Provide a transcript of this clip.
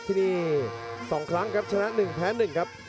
ที่นี่๒ครั้งครับชนะ๑แพ้๑ครับ